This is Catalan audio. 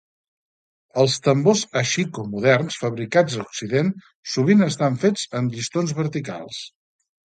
Els tambors ashiko moderns fabricats a Occident sovint estan fets amb llistons verticals.